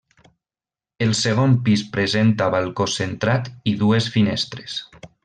El segon pis presenta balcó centrat i dues finestres.